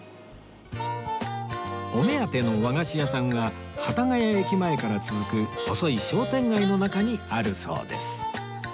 お目当ての和菓子屋さんが幡ヶ谷駅前から続く細い商店街の中にあるそうです